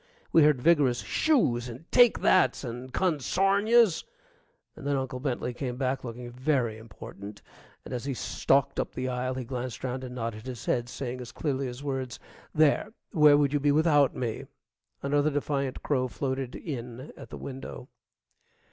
We heard vigorous "Shoos!" and "Take thats!" and "Consairn yous!" and then Uncle Bentley came back looking very important, and as he stalked up the aisle he glanced around and nodded his head, saying as clearly as words, "There, where would you be without me?" Another defiant crow floated in at the window.